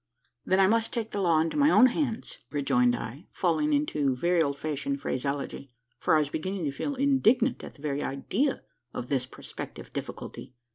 "Then I must take the law into my own hands," rejoined I, falling into very old fashioned phraseology for I was beginning to feel indignant at the very idea of this prospective difficulty.